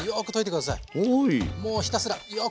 もうひたすらよく溶く。